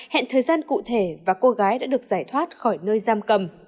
hẹn thời gian cụ thể và cô gái đã được giải thoát khỏi nơi giam cầm